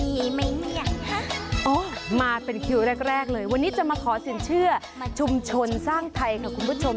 มีไหมเนี่ยอ๋อมาเป็นคิวแรกแรกเลยวันนี้จะมาขอสินเชื่อชุมชนสร้างไทยค่ะคุณผู้ชม